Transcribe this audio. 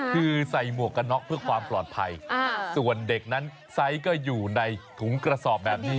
คือใส่หมวกกันน็อกเพื่อความปลอดภัยส่วนเด็กนั้นไซส์ก็อยู่ในถุงกระสอบแบบนี้